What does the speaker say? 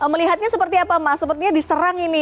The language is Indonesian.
melihatnya seperti apa mas sepertinya diserang ini